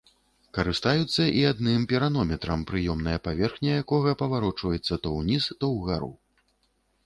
Карыстаюцца і адным піранометрам, прыёмная паверхня якога паварочваецца то ўніз, то ўгару.